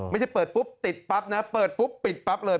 ไม่ใช่เปิดปุ๊บติดปั๊บนะเปิดปุ๊บปิดปั๊บเลย